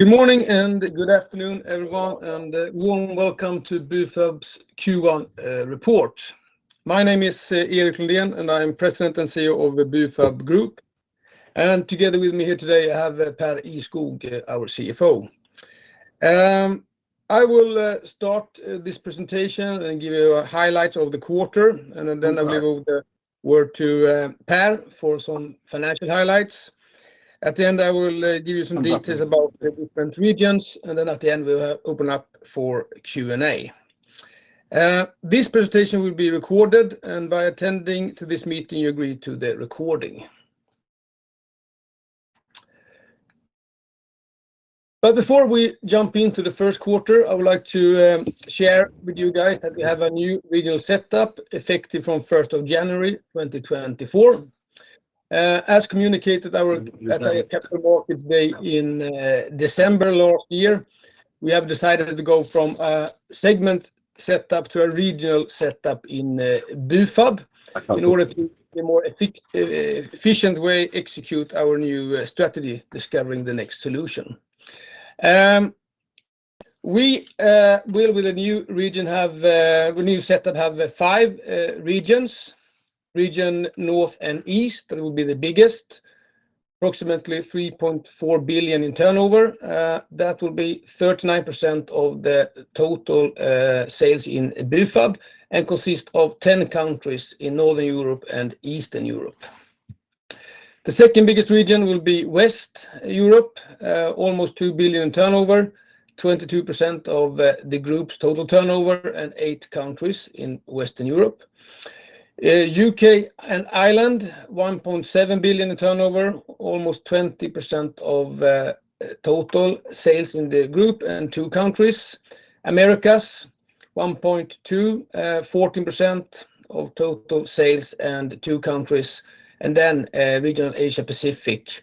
Good morning and good afternoon, everyone, and warm welcome to Bufab's Q1 report. My name is Erik Lundén, and I'm President and CEO of Bufab Group, and together with me here today I have Pär Ihrskog, our CFO. I will start this presentation and give you highlights of the quarter, and then I'll leave over the word to Pär for some financial highlights. At the end I will give you some details about the different regions, and then at the end we'll open up for Q&A. This presentation will be recorded, and by attending to this meeting you agree to the recording. But before we jump into the first quarter I would like to share with you guys that we have a new regional setup effective from 1 January 2024. As communicated at our Capital Markets Day in December last year, we have decided to go from a segment setup to a regional setup in Bufab in order to in a more efficient way execute our new strategy discovering the next solution. We will, with the new region, have a new setup, have five regions: Region North and East, that will be the biggest, approximately 3.4 billion in turnover. That will be 39% of the total sales in Bufab and consists of 10 countries in Northern Europe and Eastern Europe. The second biggest region will be West Europe, almost 2 billion in turnover, 22% of the group's total turnover, and 8 countries in Western Europe. UK and Ireland, 1.7 billion in turnover, almost 20% of total sales in the group and 2 countries. 1.2 billion, 14% of total sales and two countries, and then Region Asia-Pacific,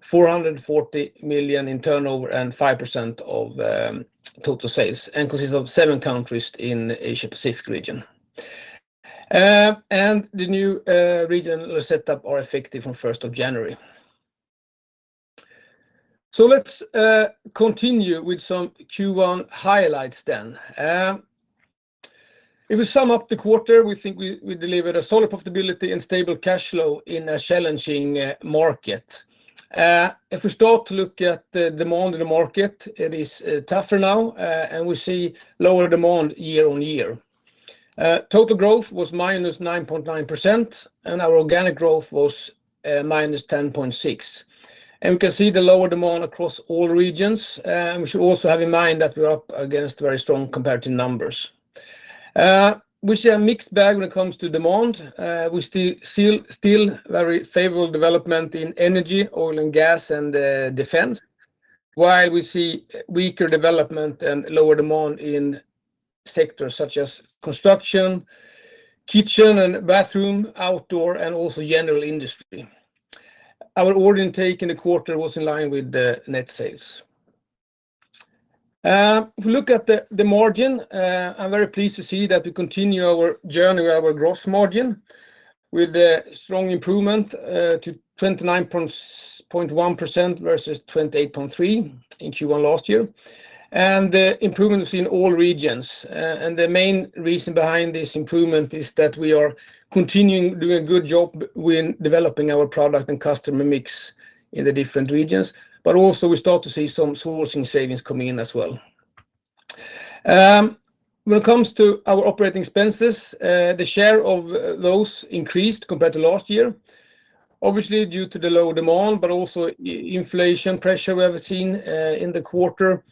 440 million in turnover and 5% of total sales, and consists of seven countries in Asia-Pacific region. The new regional setup are effective from 1 January. Let's continue with some Q1 highlights then. If we sum up the quarter, we think we delivered a solid profitability and stable cash flow in a challenging market. If we start to look at demand in the market, it is tougher now, and we see lower demand year-on-year. Total growth was -9.9%, and our organic growth was -10.6%. And we can see the lower demand across all regions, and we should also have in mind that we are up against very strong comparative numbers. We see a mixed bag when it comes to demand. We see still very favorable development in energy, oil and gas, and defense, while we see weaker development and lower demand in sectors such as construction, kitchen and bathroom, outdoor, and also general industry. Our order intake in the quarter was in line with net sales. If we look at the margin, I'm very pleased to see that we continue our journey with our gross margin, with a strong improvement to 29.1% versus 28.3% in Q1 last year, and the improvement we've seen in all regions. And the main reason behind this improvement is that we are continuing doing a good job in developing our product and customer mix in the different regions, but also we start to see some sourcing savings coming in as well. When it comes to our operating expenses, the share of those increased compared to last year, obviously due to the low demand, but also inflation pressure we have seen in the quarter,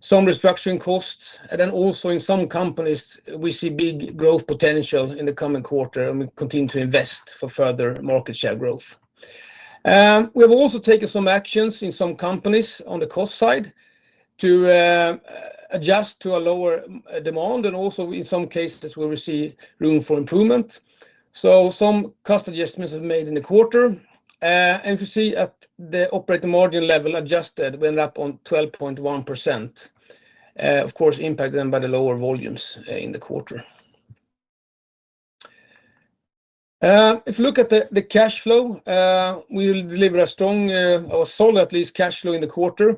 some restructuring costs, and then also in some companies we see big growth potential in the coming quarter, and we continue to invest for further market share growth. We have also taken some actions in some companies on the cost side to adjust to a lower demand, and also in some cases we will see room for improvement. So some cost adjustments have been made in the quarter, and if you see at the operating margin level adjusted, we ended up on 12.1%, of course impacted then by the lower volumes in the quarter. If you look at the cash flow, we will deliver a strong, solid at least, cash flow in the quarter.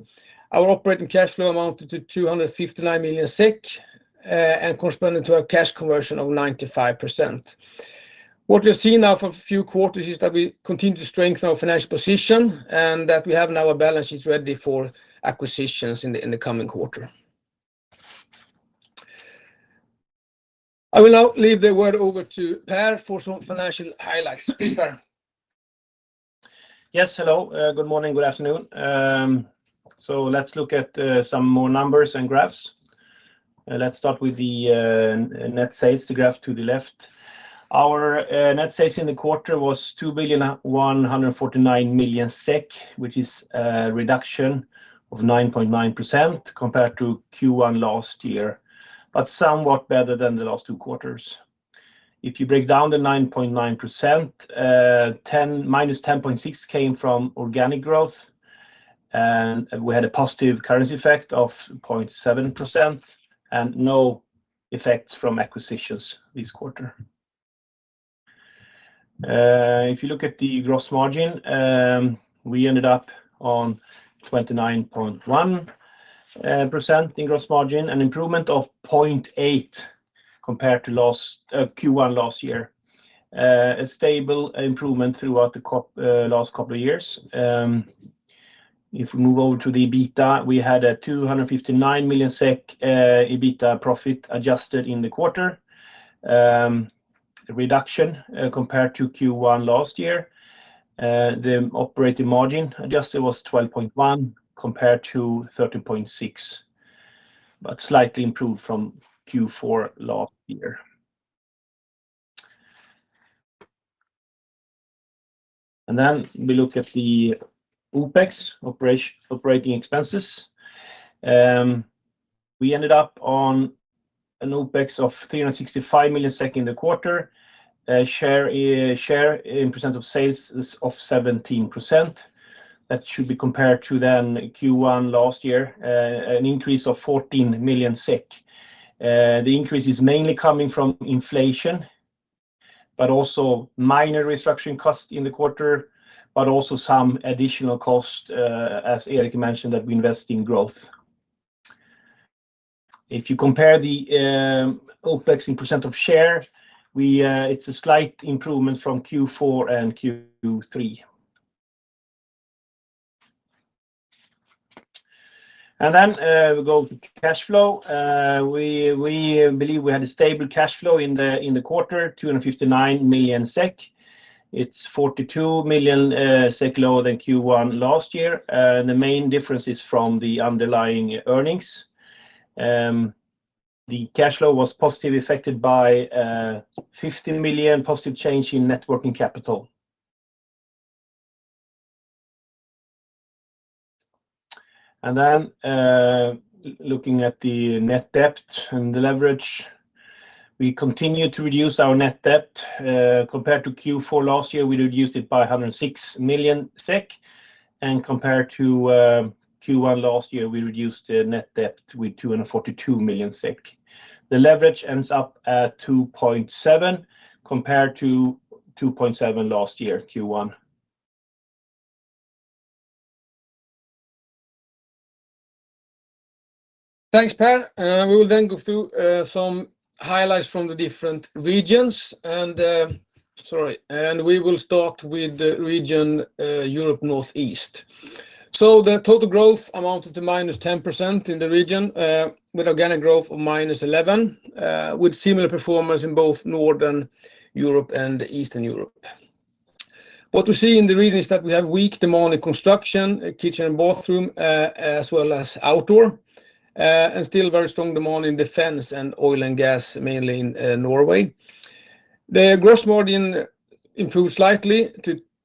Our operating cash flow amounted to 259 million SEK and corresponded to a cash conversion of 95%. What we have seen now for a few quarters is that we continue to strengthen our financial position and that we have now a balance sheet ready for acquisitions in the coming quarter. I will now leave the word over to Pär for some financial highlights. Please, Pär. Yes, hello. Good morning, good afternoon. So let's look at some more numbers and graphs. Let's start with the net sales, the graph to the left. Our net sales in the quarter was 2,149 million SEK, which is a reduction of 9.9% compared to Q1 last year, but somewhat better than the last two quarters. If you break down the 9.9%, -10.6% came from organic growth, and we had a positive currency effect of 0.7% and no effects from acquisitions this quarter. If you look at the gross margin, we ended up on 29.1% in gross margin, an improvement of 0.8% compared to Q1 last year, a stable improvement throughout the last couple of years. If we move over to the EBITDA, we had a 259 million SEK EBITDA profit adjusted in the quarter, a reduction compared to Q1 last year. The operating margin adjusted was 12.1% compared to 13.6%, but slightly improved from Q4 last year. Then we look at the OPEX, operating expenses. We ended up on an OPEX of 365 million in the quarter, share in percent of sales of 17%. That should be compared to then Q1 last year, an increase of 14 million SEK. The increase is mainly coming from inflation, but also minor restructuring costs in the quarter, but also some additional cost, as Erik mentioned, that we invest in growth. If you compare the OPEX in percent of share, it's a slight improvement from Q4 and Q3. Then we go to cash flow. We believe we had a stable cash flow in the quarter, 259 million SEK. It's 42 million SEK lower than Q1 last year. The main difference is from the underlying earnings. The cash flow was positively affected by 15 million positive change in net working capital. Then looking at the net debt and the leverage, we continue to reduce our net debt. Compared to Q4 last year, we reduced it by 106 million SEK, and compared to Q1 last year, we reduced the net debt with 242 million SEK. The leverage ends up at 2.7x compared to 2.7x last year, Q1. Thanks, Pär. We will then go through some highlights from the different regions, and sorry, and we will start with the region Europe Northeast. So the total growth amounted to -10% in the region with organic growth of -11%, with similar performance in both Northern Europe and Eastern Europe. What we see in the region is that we have weak demand in construction, kitchen and bathroom, as well as outdoor, and still very strong demand in defense and oil and gas, mainly in Norway. The gross margin improved slightly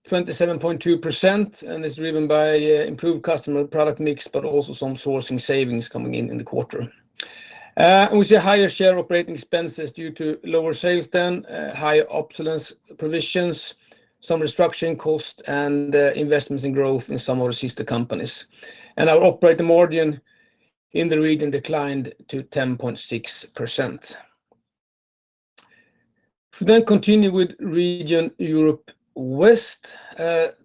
to 27.2%, and it's driven by improved customer product mix, but also some sourcing savings coming in in the quarter. We see higher share operating expenses due to lower sales then, higher obsolescence provisions, some restructuring costs, and investments in growth in some of the sister companies. And our operating margin in the region declined to 10.6%. If we then continue with Region Europe West,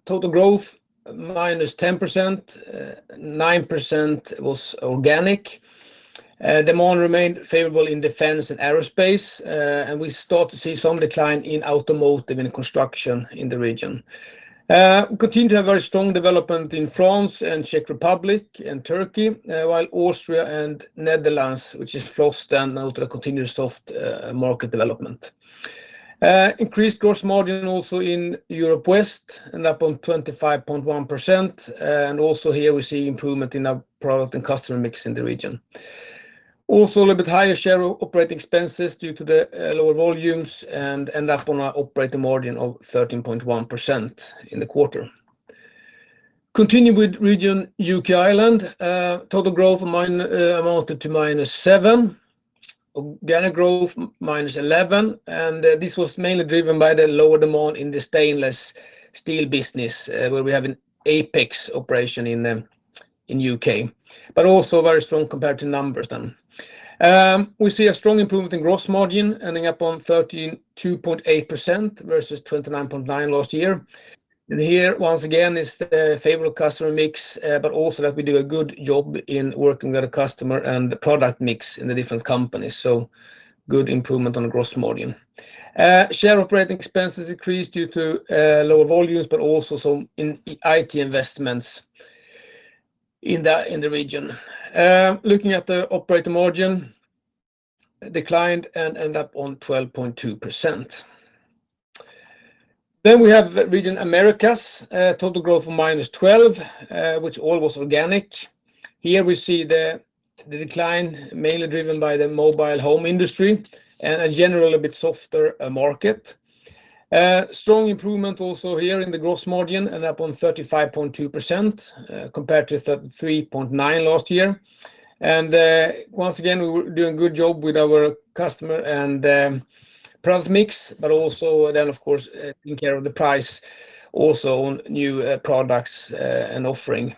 total growth -10%, -9% was organic. Demand remained favorable in defense and aerospace, and we start to see some decline in automotive and construction in the region. We continue to have very strong development in France and Czech Republic and Turkey, while Austria and Netherlands, which is flagging and also a continuous soft market development. Increased gross margin also in Europe West, ended up on 25.1%, and also here we see improvement in our product and customer mix in the region. Also a little bit higher share operating expenses due to the lower volumes and end up on an operating margin of 13.1% in the quarter. Continuing with Region UK Ireland, total growth amounted to -7%, organic growth -11%, and this was mainly driven by the lower demand in the stainless steel business where we have an Apex operation in the UK, but also very strong compared to numbers then. We see a strong improvement in gross margin, ending up on 32.8% versus 29.9% last year. And here once again is the favorable customer mix, but also that we do a good job in working with our customer and the product mix in the different companies, so good improvement on the gross margin. Shared operating expenses increased due to lower volumes, but also some IT investments in the region. Looking at the operating margin, declined and ended up on 12.2%. Then we have Region Americas, total growth of -12%, which all was organic. Here we see the decline mainly driven by the mobile home industry and a general a bit softer market. Strong improvement also here in the gross margin, ended up on 35.2% compared to 33.9% last year. Once again, we were doing a good job with our customer and product mix, but also then, of course, taking care of the price also on new products and offering.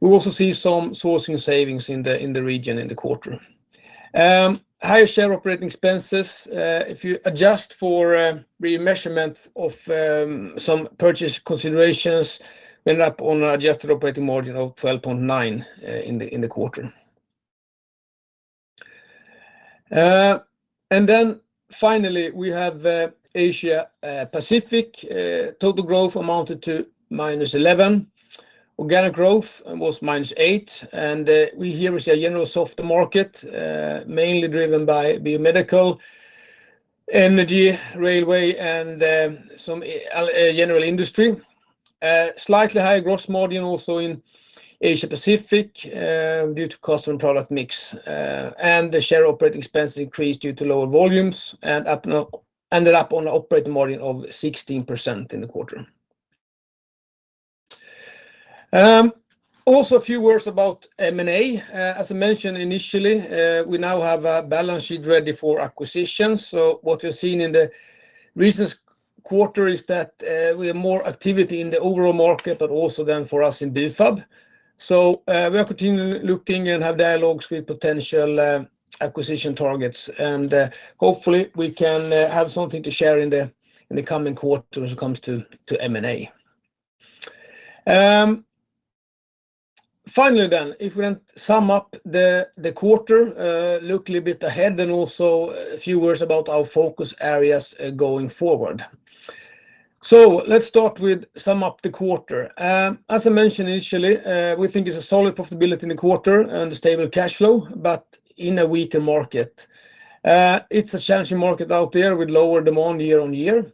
We also see some sourcing savings in the region in the quarter. Higher share operating expenses, if you adjust for remeasurement of some purchase considerations, we ended up on an adjusted operating margin of 12.9% in the quarter. Then finally, we have Asia-Pacific, total growth amounted to -11%, organic growth was -8%, and here we see a general softer market, mainly driven by biomedical, energy, railway, and some general industry. Slightly higher gross margin also in Asia-Pacific due to customer and product mix, and the share operating expenses increased due to lower volumes and ended up on an operating margin of 16% in the quarter. Also a few words about M&A. As I mentioned initially, we now have a balance sheet ready for acquisitions. So what we have seen in the recent quarter is that we have more activity in the overall market, but also then for us in Bufab. So we are continually looking and have dialogues with potential acquisition targets, and hopefully we can have something to share in the coming quarter as it comes to M&A. Finally then, if we then sum up the quarter, look a little bit ahead and also a few words about our focus areas going forward. So let's start with sum up the quarter. As I mentioned initially, we think it's a solid profitability in the quarter and a stable cash flow, but in a weaker market. It's a challenging market out there with lower demand year-on-year.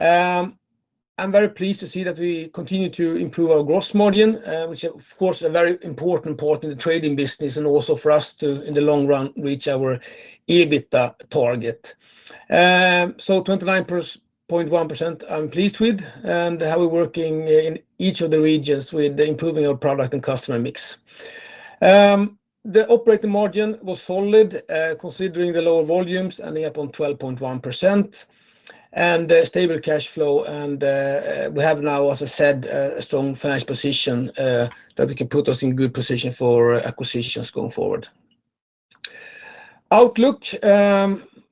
I'm very pleased to see that we continue to improve our gross margin, which is, of course, a very important part in the trading business and also for us to, in the long run, reach our EBITDA target. So 29.1% I'm pleased with and how we're working in each of the regions with improving our product and customer mix. The operating margin was solid, considering the lower volumes, ending up on 12.1% and stable cash flow, and we have now, as I said, a strong financial position that we can put us in good position for acquisitions going forward. Outlook,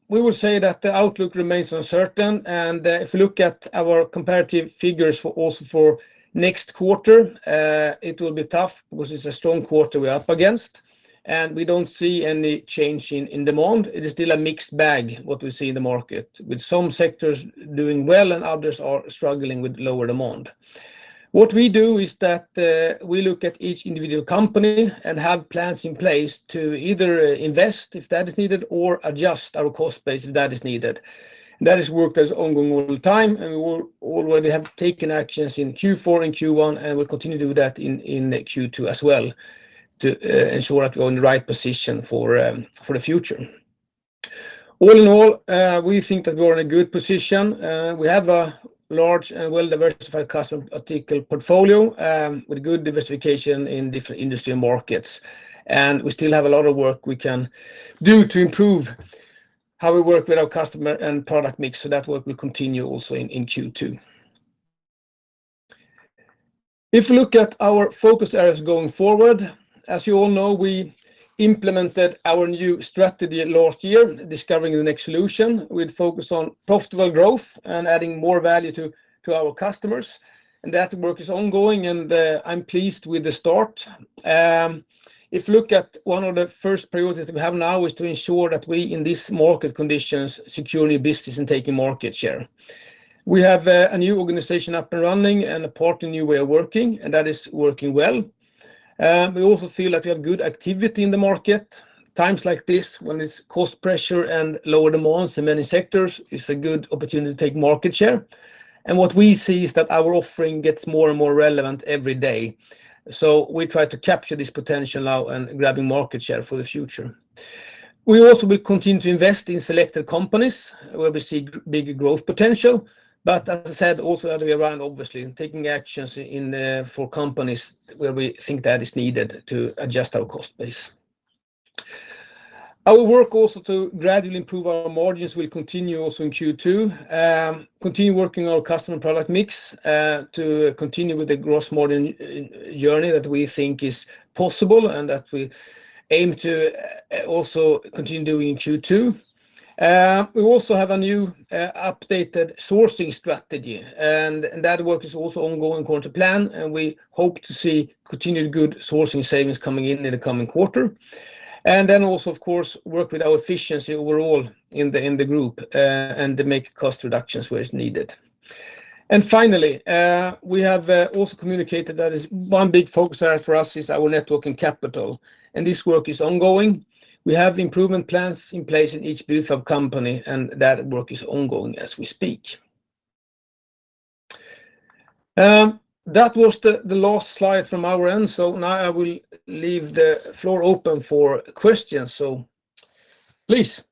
we would say that the outlook remains uncertain, and if you look at our comparative figures also for next quarter, it will be tough because it's a strong quarter we're up against, and we don't see any change in demand. It is still a mixed bag what we see in the market, with some sectors doing well and others are struggling with lower demand. What we do is that we look at each individual company and have plans in place to either invest if that is needed or adjust our cost base if that is needed. That has worked as ongoing all the time, and we already have taken actions in Q4 and Q1, and we'll continue to do that in Q2 as well to ensure that we're in the right position for the future. All in all, we think that we're in a good position. We have a large and well-diversified customer article portfolio with good diversification in different industry and markets, and we still have a lot of work we can do to improve how we work with our customer and product mix, so that work will continue also in Q2. If we look at our focus areas going forward, as you all know, we implemented our new strategy last year, discovering the next solution with focus on profitable growth and adding more value to our customers, and that work is ongoing, and I'm pleased with the start. If we look at one of the first priorities that we have now is to ensure that we, in these market conditions, secure new business and take market share. We have a new organization up and running and a partly new way of working, and that is working well. We also feel that we have good activity in the market. Times like this, when it's cost pressure and lower demands in many sectors, is a good opportunity to take market share. What we see is that our offering gets more and more relevant every day, so we try to capture this potential now and grab market share for the future. We also will continue to invest in selected companies where we see big growth potential, but as I said, also that we are around, obviously, taking actions for companies where we think that is needed to adjust our cost base. Our work also to gradually improve our margins will continue also in Q2, continue working on our customer product mix to continue with the gross margin journey that we think is possible and that we aim to also continue doing in Q2. We also have a new updated sourcing strategy, and that work is also ongoing according to plan, and we hope to see continued good sourcing savings coming in in the coming quarter. And then also, of course, work with our efficiency overall in the group and make cost reductions where it's needed. And finally, we have also communicated that one big focus area for us is our net working capital, and this work is ongoing. We have improvement plans in place in each Bufab company, and that work is ongoing as we speak. That was the last slide from our end, so now I will leave the floor open for questions, so please.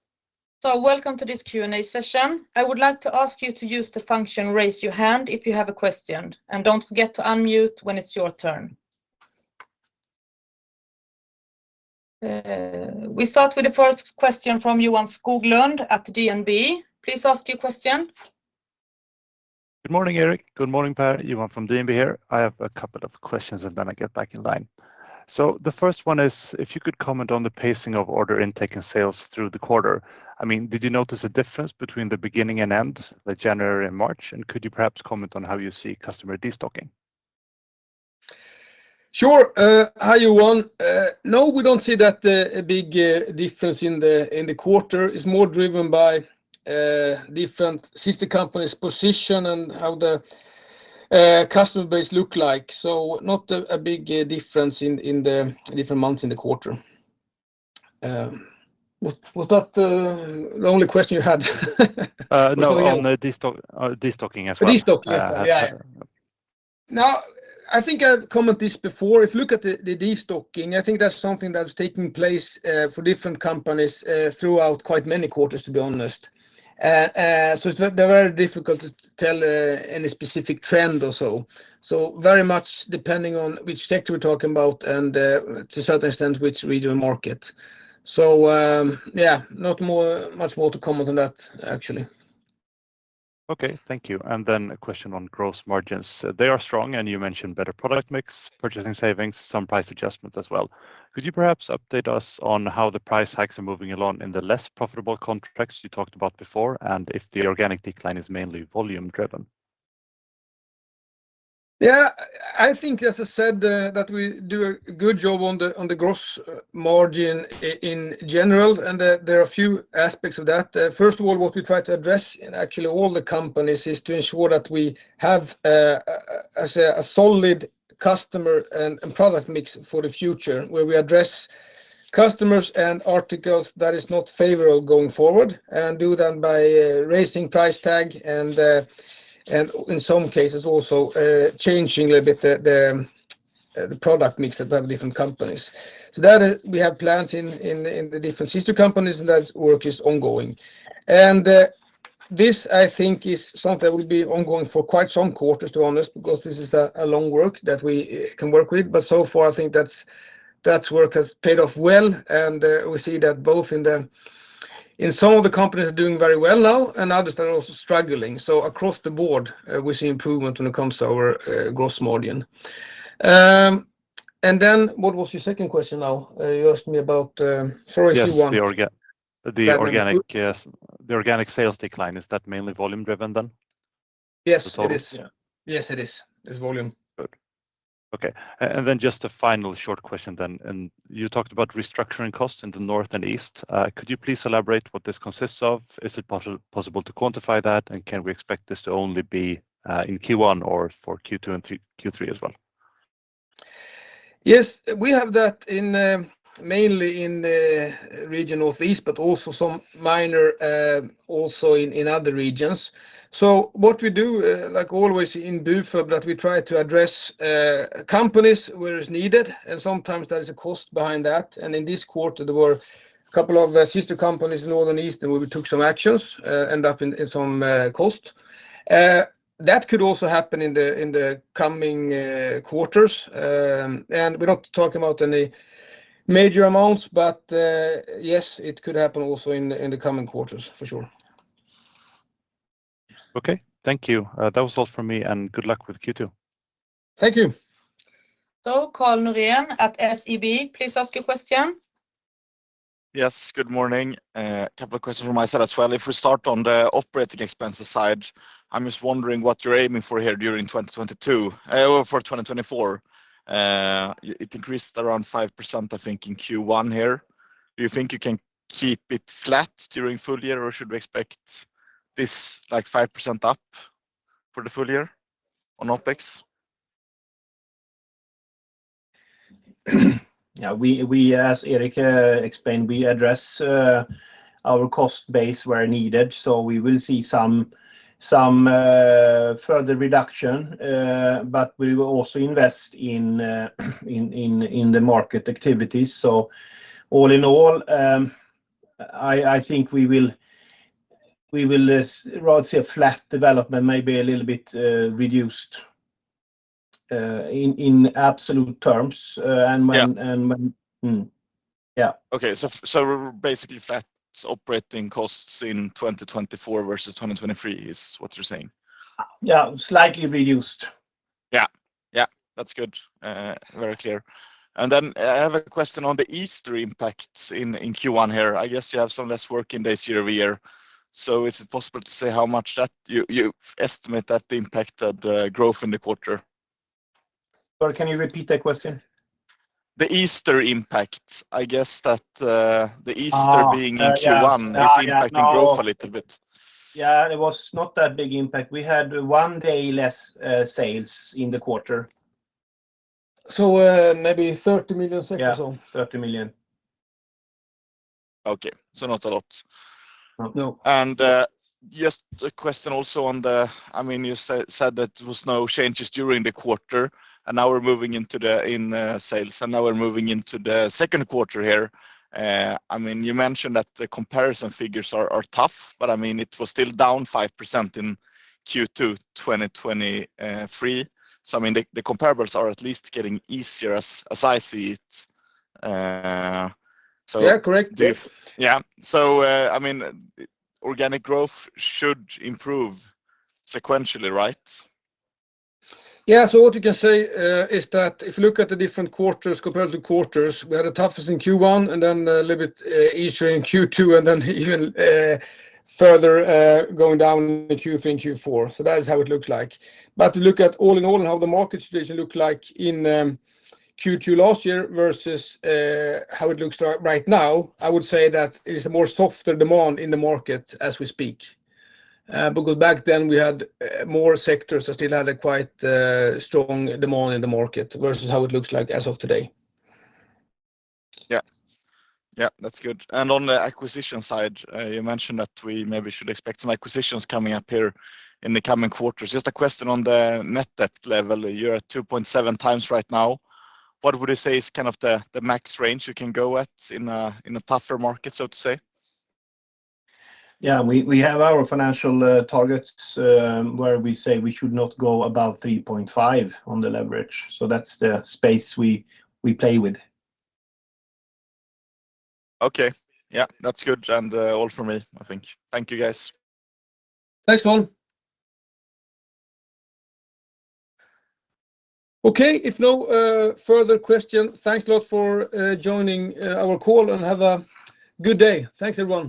So welcome to this Q&A session. I would like to ask you to use the function raise your hand if you have a question, and don't forget to unmute when it's your turn. We start with the first question from Johan Skoglund at DNB. Please ask your question. Good morning, Erik. Good morning, Pär. Johan from DNB here. I have a couple of questions, and then I'll get back in line. So the first one is, if you could comment on the pacing of order intake and sales through the quarter. I mean, did you notice a difference between the beginning and end, like January and March, and could you perhaps comment on how you see customer destocking? Sure. Hi, Johan. No, we don't see that a big difference in the quarter. It's more driven by different sister companies' position and how the customer base looks like, so not a big difference in the different months in the quarter. Was that the only question you had? No, on destocking as well. For destocking, yes. Yeah. Now, I think I've commented this before. If you look at the destocking, I think that's something that's taking place for different companies throughout quite many quarters, to be honest. So it's very difficult to tell any specific trend or so. So very much depending on which sector we're talking about and, to a certain extent, which regional market. So yeah, not much more to comment on that, actually. Okay, thank you. And then a question on gross margins. They are strong, and you mentioned better product mix, purchasing savings, some price adjustments as well. Could you perhaps update us on how the price hikes are moving along in the less profitable contracts you talked about before and if the organic decline is mainly volume-driven? Yeah, I think, as I said, that we do a good job on the gross margin in general, and there are a few aspects of that. First of all, what we try to address in actually all the companies is to ensure that we have, as I say, a solid customer and product mix for the future where we address customers and articles that are not favorable going forward and do that by raising price tag and, in some cases, also changing a little bit the product mix that we have in different companies. So we have plans in the different sister companies, and that work is ongoing. And this, I think, is something that will be ongoing for quite some quarters, to be honest, because this is a long work that we can work with. But so far, I think that work has paid off well, and we see that both in some of the companies are doing very well now and others that are also struggling. So across the board, we see improvement when it comes to our gross margin. And then what was your second question now? You asked me about, sorry, if you want. Yes, the organic sales decline. Is that mainly volume-driven then? Yes, it is. Yes, it is. It's volume. Good. Okay. And then just a final short question then. And you talked about restructuring costs in the north and east. Could you please elaborate what this consists of? Is it possible to quantify that, and can we expect this to only be in Q1 or for Q2 and Q3 as well? Yes, we have that mainly in the region northeast, but also some minor also in other regions. So what we do, like always in Bufab, is that we try to address companies where it's needed, and sometimes there is a cost behind that. In this quarter, there were a couple of sister companies in north and east where we took some actions, ended up in some cost. That could also happen in the coming quarters. We're not talking about any major amounts, but yes, it could happen also in the coming quarters, for sure. Okay, thank you. That was all from me, and good luck with Q2. Thank you. So, Karl Norén at SEB, please ask your question. Yes, good morning. A couple of questions from my side as well. If we start on the operating expenses side, I'm just wondering what you're aiming for here during 2022 or for 2024. It increased around 5%, I think, in Q1 here. Do you think you can keep it flat during full year, or should we expect this 5% up for the full year on OPEX? Yeah, as Erik explained, we address our cost base where needed, so we will see some further reduction, but we will also invest in the market activities. So all in all, I think we will rather see a flat development, maybe a little bit reduced in absolute terms. And yeah. Okay, so basically flat operating costs in 2024 versus 2023 is what you're saying? Yeah, slightly reduced. Yeah, yeah, that's good. Very clear. And then I have a question on the Easter impacts in Q1 here. I guess you have some less working days year-over-year. So is it possible to say how much that you estimate that the impacted growth in the quarter? Sorry, can you repeat that question? The Easter impacts. I guess that the Easter being in Q1 is impacting growth a little bit. Yeah, it was not that big impact. We had one day less sales in the quarter. So maybe 30 million or so. Yeah, 30 million. Okay, so not a lot. And just a question also on the—I mean, you said that there were no changes during the quarter, and now we're moving into the second quarter here. I mean, you mentioned that the comparison figures are tough, but I mean, it was still down 5% in Q2 2023. So I mean, the comparables are at least getting easier as I see it. So. Yeah, correct. Yeah, so I mean, organic growth should improve sequentially, right? Yeah, so what you can say is that if you look at the different quarters compared to quarters, we had the toughest in Q1 and then a little bit easier in Q2 and then even further going down in Q3 and Q4. So that is how it looks like. But if you look at all in all and how the market situation looked like in Q2 last year versus how it looks right now, I would say that it is a more softer demand in the market as we speak. Because back then, we had more sectors that still had a quite strong demand in the market versus how it looks like as of today. Yeah, yeah, that's good. On the acquisition side, you mentioned that we maybe should expect some acquisitions coming up here in the coming quarters. Just a question on the net debt level. You're at 2.7x right now. What would you say is kind of the max range you can go at in a tougher market, so to say? Yeah, we have our financial targets where we say we should not go above 3.5 on the leverage. So that's the space we play with. Okay, yeah, that's good. And all from me, I think. Thank you, guys. Thanks, Pär.Okay, if no further questions, thanks a lot for joining our call and have a good day. Thanks, everyone.